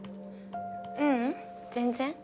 ううん全然。